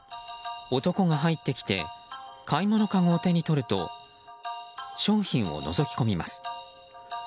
男が入ってきて買い物かごを手に取ると商品をのぞき込みます。